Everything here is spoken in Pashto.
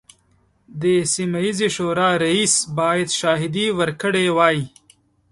د سیمه ییزې شورا رئیس باید شاهدې ورکړي وای.